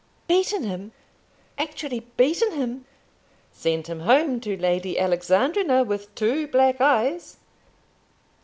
"Beaten him! Actually beaten him!" "Sent him home to Lady Alexandrina with two black eyes."